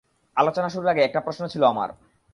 আলোচনা শুরুর আগে একটা প্রশ্ন ছিল আমার!